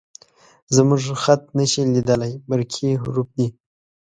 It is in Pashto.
_زموږ خط نه شې لېدلی، برقي حروف دي